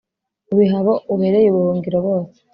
ubiha abo ubereye ubuhungiro bose